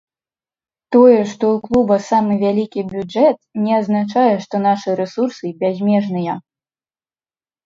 Тое, што ў клуба самы вялікі бюджэт, не азначае, што нашы рэсурсы бязмежныя.